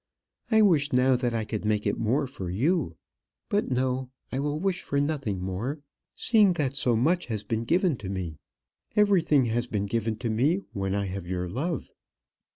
I wish now that I could make it more for you. But, no; I will wish for nothing more, seeing that so much has been given to me. Everything has been given to me when I have your love.